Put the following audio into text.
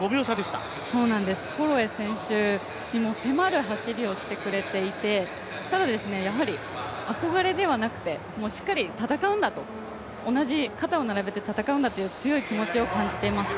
ただ、ホロウェイ選手にも迫る走りをしてくれてやはり憧れではなくてもうしっかり戦うんだと、肩を並べて戦うんだという強い気持ちを感じています。